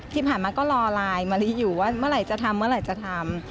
ที่ผ่านมาก็รอไลน์มะลิอยู่ว่าเมื่อไหร่จะทำ